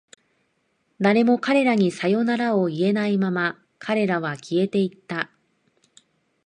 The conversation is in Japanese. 誰も彼らにさよならを言えないまま、彼らは消えていった。